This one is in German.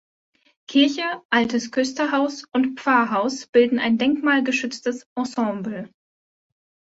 Kirche, Altes Küsterhaus und Pfarrhaus bilden ein denkmalgeschütztes Ensemble.